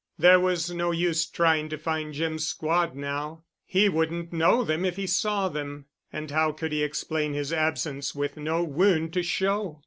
There was no use trying to find Jim's squad now. He wouldn't know them if he saw them. And how could he explain his absence with no wound to show?